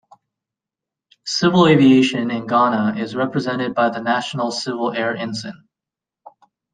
Civil aviation in Ghana is represented by the national civil air ensign.